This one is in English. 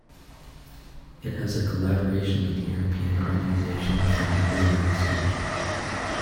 It has a collaboration with European Organization for Nuclear Research.